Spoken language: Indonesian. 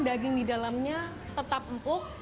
daging di dalamnya tetap empuk